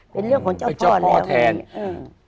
เป็นเรื่องของเจ้าพ่อแล้วอย่างนี้